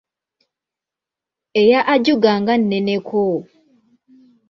Eya Ajuga nga nneneko!